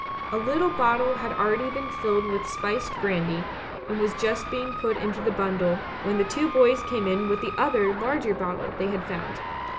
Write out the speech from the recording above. A little bottle had already been filled with spiced brandy, and was just being put into the bundle when the two boys came in with the other larger bottle they had found.